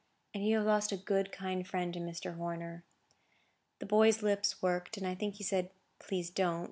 "And you have lost a good, kind friend, in Mr. Horner." The boy's lips worked, and I think he said, "Please, don't."